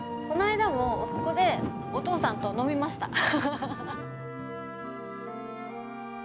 こないだもここでお父さんと飲みました。